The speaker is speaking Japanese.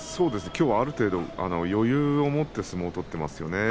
きょうはある程度余裕を持って相撲を取っていますよね。